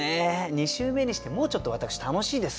２週目にしてもうちょっと私楽しいです。